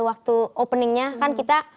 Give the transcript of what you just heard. waktu openingnya kan kita